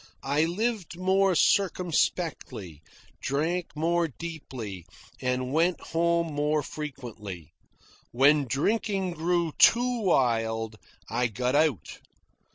I lived more circumspectly, drank less deeply, and went home more frequently. When drinking grew too wild, I got out.